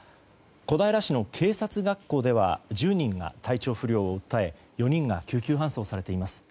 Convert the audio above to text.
小平市の警察学校では１０人が体調不良を訴え４人が救急搬送されています。